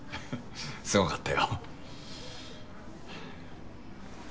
すごかったよ。